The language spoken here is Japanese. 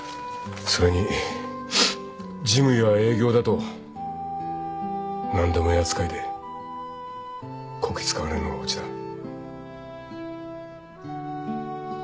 それに事務や営業だと何でも屋扱いでこき使われるのが落ちだ。